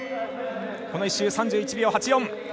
この１周、３１秒８４。